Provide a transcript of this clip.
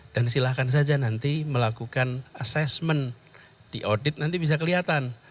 dan silahkan saja nanti melakukan assessment di audit nanti bisa kelihatan